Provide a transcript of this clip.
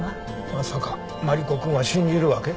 まさかマリコくんは信じるわけ？